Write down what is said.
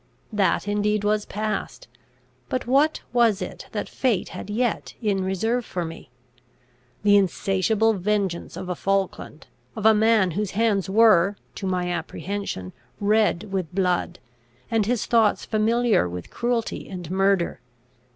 That indeed was past; but what was it that fate had yet in reserve for me! The insatiable vengeance of a Falkland, of a man whose hands were, to my apprehension, red with blood, and his thoughts familiar with cruelty and murder.